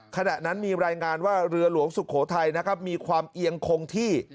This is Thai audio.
ขณะนั้นมีรายงานว่าเรือหลวงสุโขทัยนะครับมีความเอียงคงที่